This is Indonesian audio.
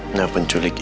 nah penculik ini